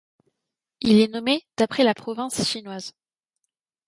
Il est nommé d'après la province chinoise.